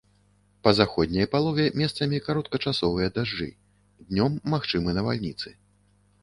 Па заходняй палове месцамі кароткачасовыя дажджы, днём магчымы навальніцы.